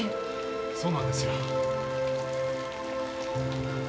そうなんですよ。